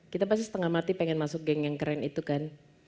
kita pasti setengah mati pengen masuk geng yang keren itu kan